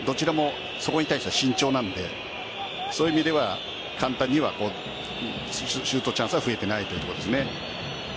そこに対しては慎重なのでそういう意味では簡単にはシュートチャンスは増えていないということですね。